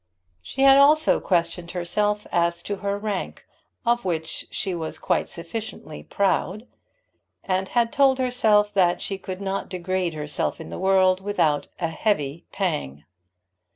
She had also questioned herself as to her rank, of which she was quite sufficiently proud, and had told herself that she could not degrade herself in the world without a heavy pang.